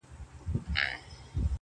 نن د اباسین د جاله وان حماسه ولیکه؛